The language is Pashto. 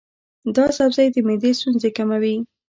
دا سبزی د معدې ستونزې کموي.